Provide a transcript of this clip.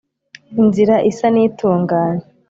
Inzira isa n itunganye